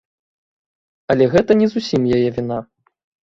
Але гэта не зусім яе віна.